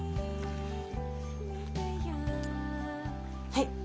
はい。